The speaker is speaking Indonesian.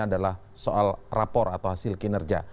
adalah soal rapor atau hasil kinerja